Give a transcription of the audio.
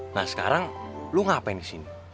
nah sekarang lo ngapain disini